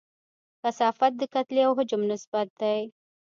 کثافت د کتلې او حجم نسبت دی.